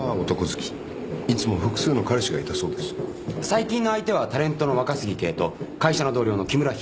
最近の相手はタレントの若杉慶と会社の同僚の木村寛。